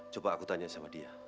coba aku tanya sama dia